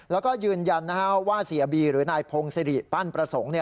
แล้วก็ยืนยันว่าเสียบีหรือนายพงศิริปั้นประสงค์